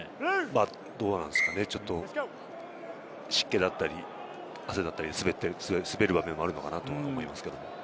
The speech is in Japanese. どうなんすかね、湿気だったり、汗だったりで滑るわけでもあるのかなと思いますけれどもね。